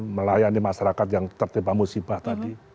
melayani masyarakat yang tertimpa musibah tadi